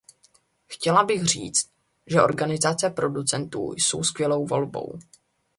Chtěla bych říci, že organizace producentů jsou skvělou volbou.